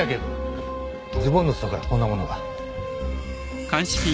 ズボンの裾からこんなものが。